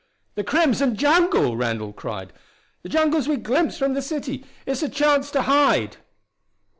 "The crimson jungle!" Randall cried. "The jungles we glimpsed from the city! It's a chance to hide!"